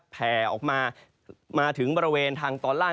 แผ่ออกมามาถึงบริเวณทางตอนล่าง